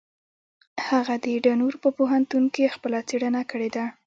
هغه د ډنور په پوهنتون کې خپله څېړنه کړې ده.